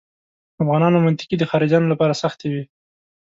افغانانو منطقې د خارجیانو لپاره سختې وې.